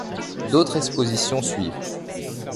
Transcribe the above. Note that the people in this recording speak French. D'autres expositions suivent.